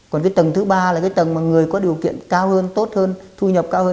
còn cái tầng thứ ba là cái tầng mà người có điều kiện cao hơn tốt hơn thu nhập cao hơn